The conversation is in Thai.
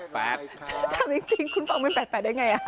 ถามจริงคุณฟังเป็น๘๘ได้ไง